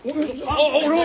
あっ俺も！